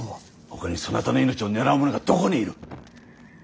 ほかにそなたの命を狙う者がどこにいる。